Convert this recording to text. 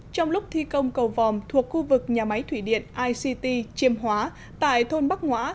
trong lúc thi công cầu vòm thuộc khu vực nhà máy thủy điện ict chiêm hóa tại thôn bắc ngoã